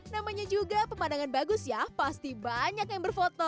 namanya juga pemandangan bagus ya pasti banyak yang berfoto